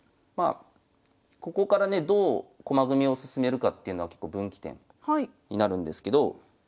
ここからねどう駒組みを進めるかっていうのは結構分岐点になるんですけど。